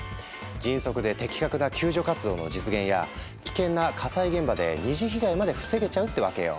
迅速で的確な救助活動の実現や危険な火災現場で二次被害まで防げちゃうってわけよ。